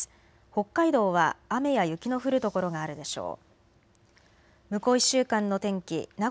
北海道は雨や雪の降る所があるでしょう。